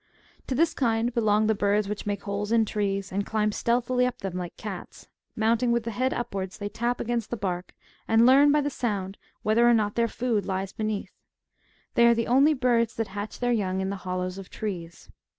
To this kind belong the birds which make holes in trees, and climb stealthily up them, like cats ; mounting with the head upwards, they tap against the bark, and learn by the sound whether or not their food lies beneath ; they are the only birds that hatch their j^oung in the hollows of trees.